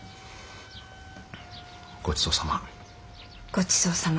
ごちそうさま。